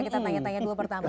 kita tanya tanya dulu pertama